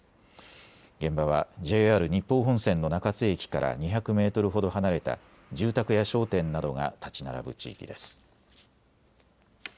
現場はＪＲ日豊本線の中津駅から２００メートルほど離れた住宅や商店などが建ち並ぶ地域です。